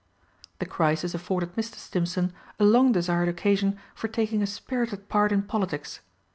The crisis afforded Mr. Stimpson a long desired occasion for taking a spirited part in politics.